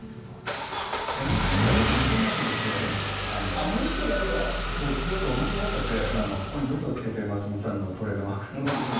描いていたらちょっと似てるなと思って面白がっちゃってここにどくろを付けて松本さんのトレードマークの。